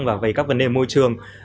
và về các vấn đề môi trường